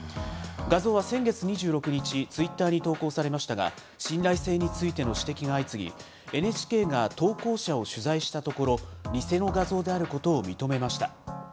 画像は先月２６日、ツイッターに投稿されましたが、信頼性についての指摘が相次ぎ、ＮＨＫが投稿者を取材したところ、偽の画像であることを認めました。